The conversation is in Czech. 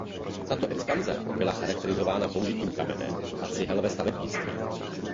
Tato expanze byla charakterizována použitím kamene a cihel ve stavebnictví.